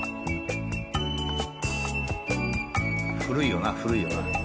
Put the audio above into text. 古いよな古いよな。